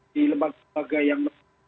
di lembaga lembaga yang